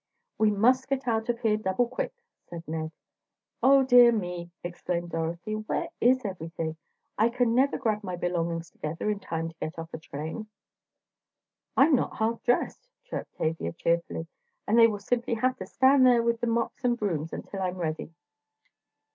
"We must get out of here, double quick," said Ned. "Oh, dear me!" exclaimed Dorothy, "where is everything! I never can grab my belongings together in time to get off a train." "I'm not half dressed," chirped Tavia, cheerfully, "and they will simply have to stand there with the mops and brooms, until I'm ready."